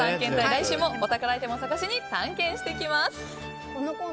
来週もお宝アイテムを探しに探検してきます。